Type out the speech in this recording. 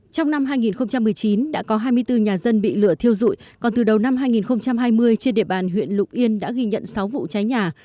trong năm hai nghìn một mươi chín đã có hai mươi bốn nhà dân bị lửa thiêu dụi còn từ đầu năm hai nghìn hai mươi trên địa bàn huyện lục yên đã ghi nhận sáu vụ cháy nhà